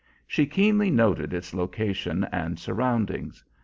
She keenly noted its location and surroundings.